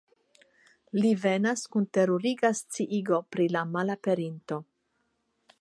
Li venas kun teruriga sciigo pri la malaperinto.